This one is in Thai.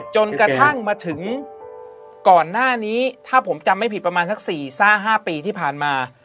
จนกระทั่งมาถึงก่อนหน้านี้ถ้าผมจำไม่ผิดประมาณสัก๔๕ปีที่ผ่านมา